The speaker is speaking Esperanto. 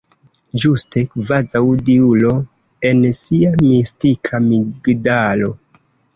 Ĝuste: kvazaŭ diulo en sia mistika migdalo.